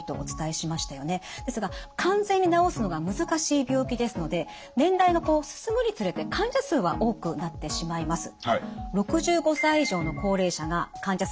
ですが完全に治すのが難しい病気ですので年代が進むにつれて患者数は多くなってしまいます。